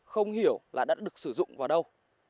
không hiểu là đã được sử dụng vào đâu